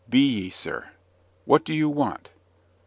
"Be ye, sir." "What do you want?"